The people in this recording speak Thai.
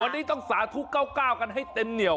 วันนี้ต้องสาธุ๙๙กันให้เต็มเหนียว